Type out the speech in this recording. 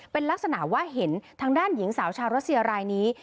เป็นลักษณะว่าเห็นทางด้านหญิงสาวชาวรัสเซียรายนี้